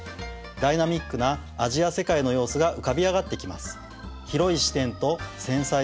ダイナミックなアジア世界の様子が浮かび上がってきます。